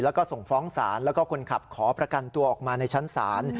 แล้วก็ส่งฟ้องศาลแล้วก็คนขับขอประกันตัวออกมาในชั้นศาล